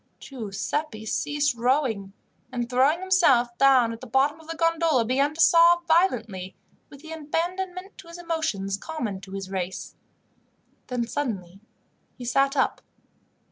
Giuseppi ceased rowing, and, throwing himself down at the bottom of the gondola, began to sob violently, with the abandonment to his emotions common to his race. Then he suddenly sat up.